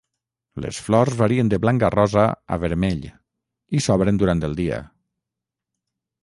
Les flors varien de blanc a rosa a vermell i s'obren durant el dia.